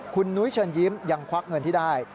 คุณนุ้ยเชิญยิ้มยังควักเงินที่ได้